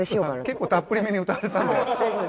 結構たっぷりめに歌われたんで。